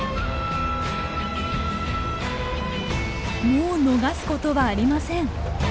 もう逃すことはありません。